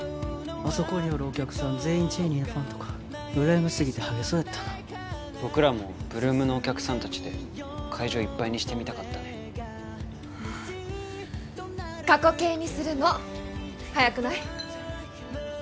あそこにおるお客さん全員ＣＨＡＹＮＥＹのファンとかうらやましすぎてハゲそうやったな僕らも８ＬＯＯＭのお客さんたちで会場いっぱいにしてみたかったね過去形にするの早くない？